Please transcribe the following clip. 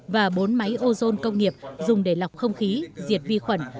và bốn máy ozone công nghiệp dùng để lọc không khí diệt vi khuẩn